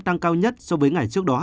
tăng cao nhất so với ngày trước đó